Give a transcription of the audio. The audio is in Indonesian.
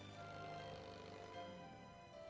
tidak ada trangka